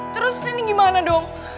terus ini gimana dong